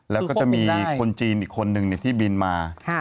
แล้วก็จะมีคนจีนอีกคนนึงที่บินมา